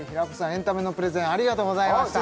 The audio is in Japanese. エンタメのプレゼンありがとうございました